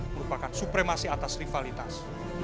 merupakan supremasi atas rivalitas